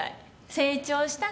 成長したね。